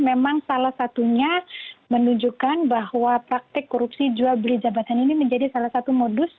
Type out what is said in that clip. memang salah satunya menunjukkan bahwa praktik korupsi jual beli jabatan ini menjadi salah satu modus